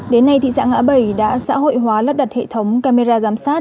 đến nay thị xã ngã bảy đã xã hội hóa lắp đặt hệ thống camera giám sát